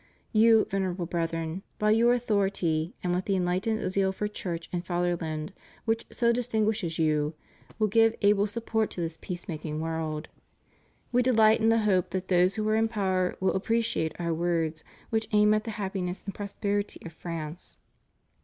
You, Venerable Brethren, by your authority and with the enlightened zeal for Church and Fatherland which so distinguishes you, will give able support to this peace making work. We dehght in the hope that those who are in power will appreciate Our words, which aim at the happiness and prosperity of France.